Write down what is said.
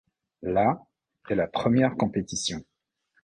La est la première compétition.